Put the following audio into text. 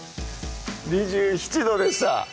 ２７℃でした